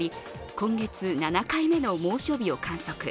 今月７回目の猛暑日を観測。